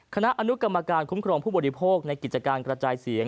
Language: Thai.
คณะอนุกรรมการคุ้มครองผู้บริโภคในกิจการกระจายเสียง